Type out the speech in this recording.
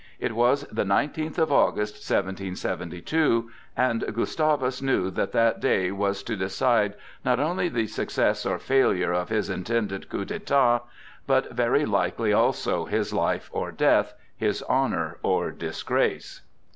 It was the nineteenth of August, 1772, and Gustavus knew that that day was to decide not only the success or failure of his intended coup d'état, but very likely also his life or death, his honor or disgrace.